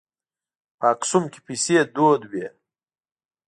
په اکسوم کې پیسې دود وې.